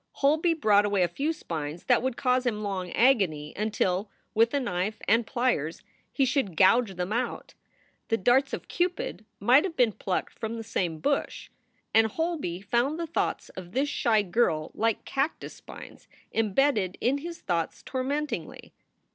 Holby brought away a few spines that would cause him long agony until with a knife and pliers he should gouge them out. The darts of Cupid might have been plucked from the same bush; and Holby found the thoughts of this shy girl like cactus spines embedded in his thoughts tormentingly.